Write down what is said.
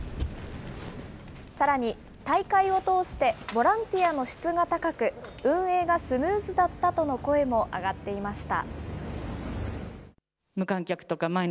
さらに、大会を通して、ボランティアの質が高く、運営がスムーズだったとの声も上がっていました。